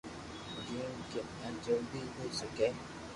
جيم ڪي آ جلدو ھوئي سڪي